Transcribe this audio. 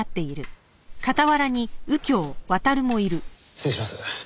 失礼します。